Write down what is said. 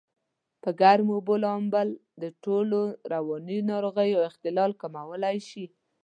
په ګرمو اوبو لامبل دټولو رواني ناروغیو اختلال کمولای شي.